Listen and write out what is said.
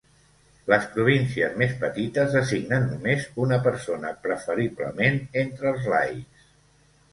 Les províncies més petites designen només una persona, preferiblement entre els laics.